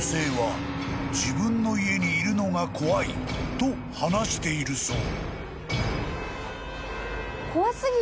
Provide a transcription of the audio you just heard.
［と話しているそう］